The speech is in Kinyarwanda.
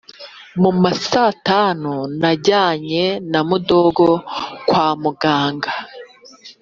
mu ma satanu najyanye na mudogo kwa muganga